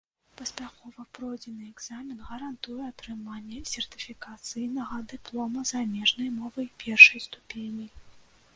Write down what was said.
Паспяхова пройдзены экзамен гарантуе атрыманне сертыфікацыйнага дыплома замежнай мовы першай ступені.